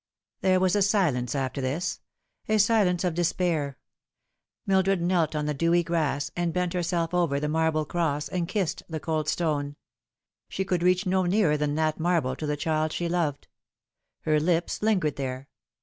There was a silence after this a silence of despair. Mildrrd knelt on the dewy grass, and bent herself over the marble cross, and kissed the cold stone. She could reach no nearer than that marble to the child she loved. Her lips lingered there.